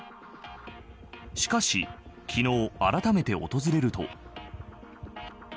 しかし、昨日あらためて訪れると。